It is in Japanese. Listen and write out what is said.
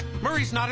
あれ？